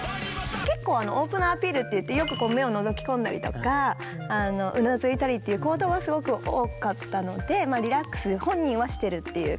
結構オープナーアピールっていってよく目をのぞき込んだりとかうなずいたりっていう行動はすごく多かったのでリラックス本人はしてるっていう。